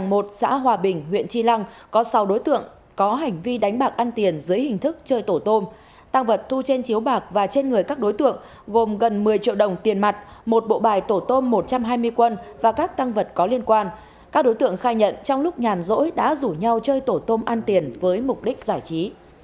một bộ bài tổ tôm một trăm hai mươi quân và các tăng vật có liên quan các đối tượng khai nhận trong lúc nhàn rỗi đã rủ nhau chơi tổ tôm ăn tiền với mục đích giải trí